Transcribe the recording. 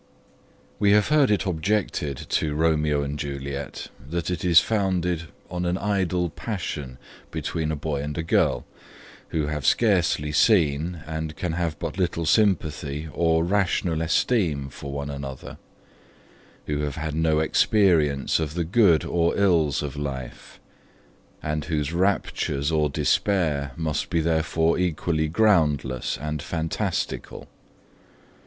We have heard it objected to ROMEO AND JULIET that it is founded on an idle passion between a boy and a girl, who have scarcely seen and can have but little sympathy or rational esteem for one another, who have had no experience of the good or ills of life, and whose raptures or despair must be therefore equally groundless and fantastical.